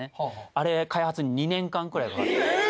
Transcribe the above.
あれ開発に２年間ぐらいかかりました。